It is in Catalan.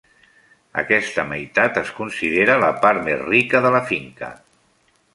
Aquesta meitat es considera la part més rica de la finca.